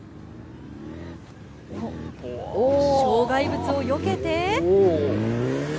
障害物をよけて。